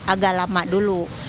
agak lama dulu